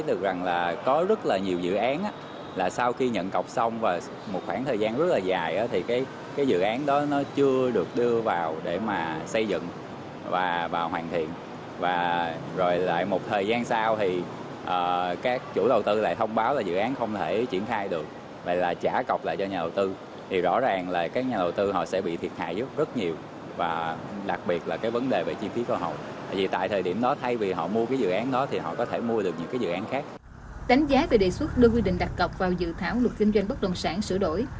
đánh giá về đề xuất đưa quy định đặt cọc vào dự thảo luật kinh doanh bất đồng sản sửa đổi